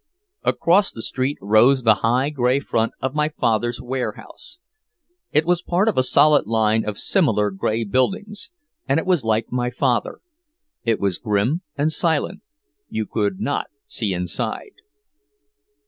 Across the street rose the high gray front of my father's warehouse. It was part of a solid line of similar gray brick buildings, and it was like my father, it was grim and silent, you could not see inside.